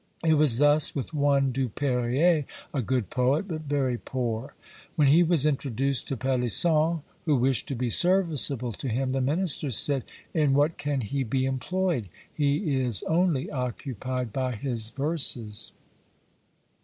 It was thus with one Du Perrier, a good poet, but very poor. When he was introduced to Pelisson, who wished to be serviceable to him, the minister said, "In what can he be employed? He is only occupied by his verses."